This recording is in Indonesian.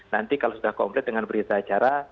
nanti kalau sudah komplit dengan berita acara